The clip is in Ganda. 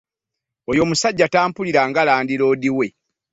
Oy'omusajja tampulira nga landi Lodi we.